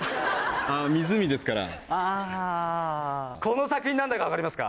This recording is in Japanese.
湖ですからあこの作品何だか分かりますか？